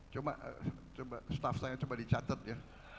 coba staff saya coba dicatat ya